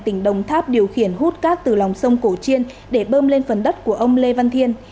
tỉnh đồng tháp điều khiển hút cát từ lòng sông cổ chiên để bơm lên phần đất của ông lê văn thiên